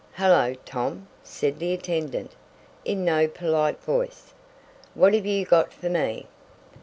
"Hello, Tom!" said the attendant, in no polite voice, "What have you got for me?"